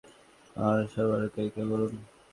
আর সরবরাহকারী কে বলুন?